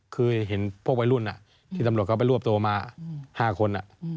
คือเห็นพวกวัยรุ่นที่ตำรวจเขาไปรวบตัวมา๕คน